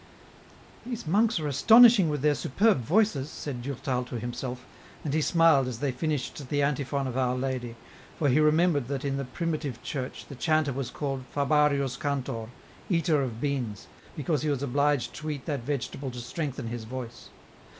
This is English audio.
" These monks are astonishing with their superb voices," said Durtal to himself, and he smiled as they finished the antiphon of Our Lady, for he remembered that in the primi tive Church the chanter was called " Fabarius cantor," " eater of beans,'' because he was obliged to eat that vegetable to strengthen his voice.